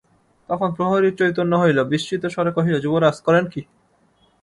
তখন প্রহরীর চৈতন্য হইল, বিস্মিত স্বরে কহিল, যুবরাজ, করেন কী?